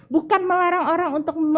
bukan melarang orang untuk